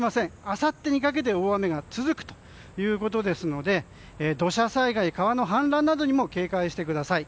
あさってにかけて大雨が続くということですので土砂災害、川の氾濫などにも警戒してください。